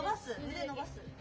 腕のばす。